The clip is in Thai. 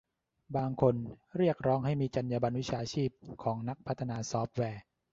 บางคนเรียกร้องให้มีจรรยาบรรณวิชาชีพของนักพัฒนาซอฟต์แวร์